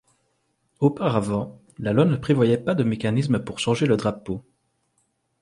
Auparavant, la loi ne prévoyait pas de mécanisme pour changer le drapeau.